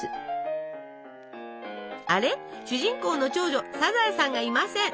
あれ主人公の長女サザエさんがいません。